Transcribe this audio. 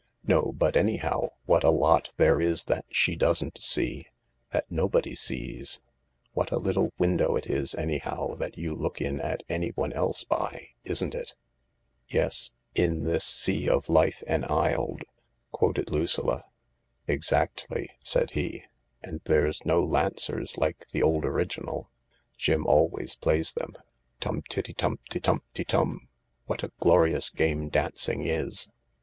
"No, but anyhow, what a lot there is that she doesn't see — that nobody sees. What a little window it is, anyhow, that you look in at anyone else by, isn't it ?""' Yes. In this sea of life en isled ...'" quoted Lucilla. "Exactly," said he. "And there's no Lancers like the old original, Jim always plays them. Tum tiddy tumpty tumpty tum I What a glorious game dancing is